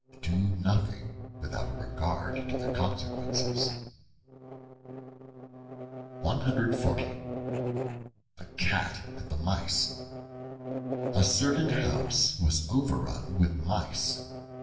Do nothing without a regard to the consequences. The Cat and the Mice A CERTAIN HOUSE was overrun with Mice.